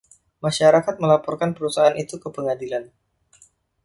Masyarakat melaporkan perusahaan itu ke pengadilan.